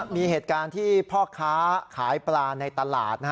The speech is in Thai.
มีเหตุการณ์ที่พ่อค้าขายปลาในตลาด